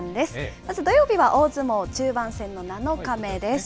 まず土曜日は大相撲中盤戦の７日目です。